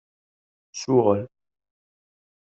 Suɣel.